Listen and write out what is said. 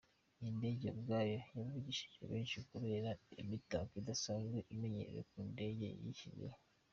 Iyi ndege ubwayo yavugishije benshi kubera imitako idasanzwe imenyerewe ku ndege yayishyizweho.